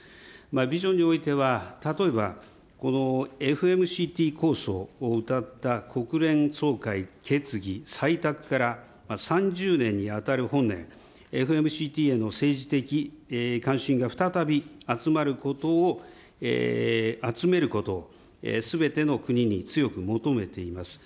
ビジョンにおいては、例えば、ＦＭＣＴ構想をうたった国連総会決議採択から３０年に当たる本年、ＦＭＣＴへの政治的関心が再び集まることを、集めることを、すべての国に強く求めています。